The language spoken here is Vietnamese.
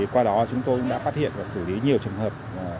qua đó chúng tôi cũng đã phát hiện và xử lý nhiều trường hợp